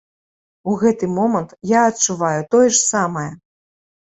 У гэты момант я адчуваю тое ж самае!